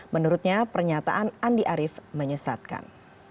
menurutnya pernyataan andi arief menyesatkan